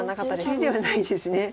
切りではないですね。